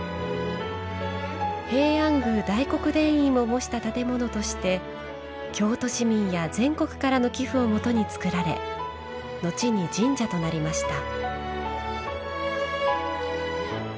平安宮大極殿院を模した建物として京都市民や全国からの寄付をもとに造られ後に神社となりました。